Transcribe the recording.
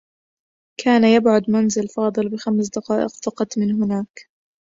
كان يبعد منزل فاضل بخمس دقائق فقط من هناك.